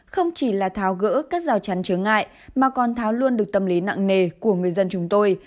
không chỉ là tháo gỡ các rào chắn trở ngại mà còn tháo luôn được tâm lý nặng nề của người dân chúng tôi